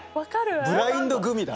ブラインドグミだ。